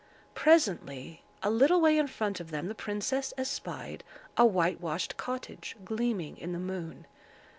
Presently, a little way in front of them, the princess espied a whitewashed cottage, gleaming in the moon.